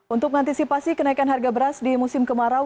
untuk mengantisipasi kenaikan harga beras di musim kemarau